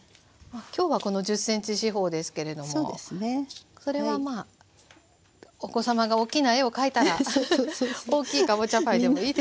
今日はこの１０ｃｍ四方ですけれどもそれはお子様が大きな絵を描いたら大きいかぼちゃパイでもいいですし。